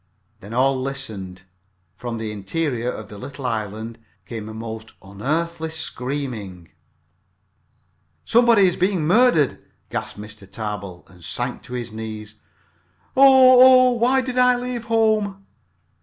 Then all listened. From the interior of the little island came a most unearthly screaming. "Somebody is being murdered!" gasped Mr. Tarbill, and sank on his knees. "Oh, oh, why did I leave home!"